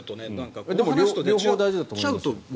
両方大事だと思います。